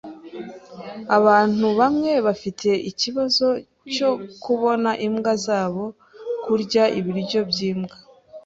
Abantu bamwe bafite ikibazo cyo kubona imbwa zabo kurya ibiryo byimbwa.